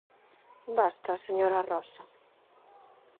-Basta, señora Rosa!